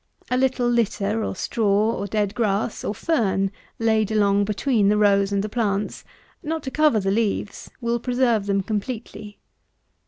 A little litter, or straw, or dead grass, or fern, laid along between the rows and the plants, not to cover the leaves, will preserve them completely.